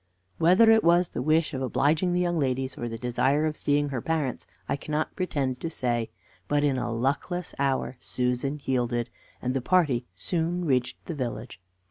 Whether it was the wish of obliging the young ladies, or the desire of seeing her parents, I cannot pretend to say, but in a luckless hour Susan yielded, and the party soon reached the village.